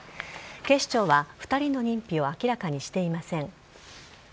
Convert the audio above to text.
警視庁は２人の認否を明らかにしていません。